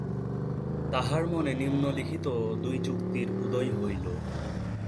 তাঁহার মনে নিম্নলিখিত দুই যুক্তির উদয় হইল।